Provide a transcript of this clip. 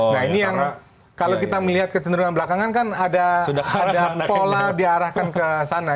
nah ini yang kalau kita melihat kecenderungan belakangan kan ada pola diarahkan ke sana